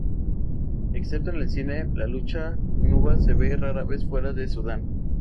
Excepto en el cine, la lucha nuba se ve rara vez fuera de Sudán.